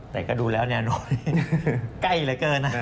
แต่ก็ดูแล้วน้อยใกล้เหลือเกิน